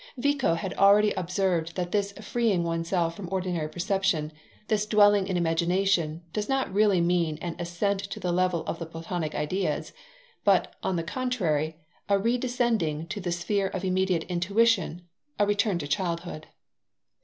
Vico had already observed that this freeing oneself from ordinary perception, this dwelling in imagination, does not really mean an ascent to the level of the Platonic Ideas, but, on the contrary, a redescending to the sphere of immediate intuition, a return to childhood.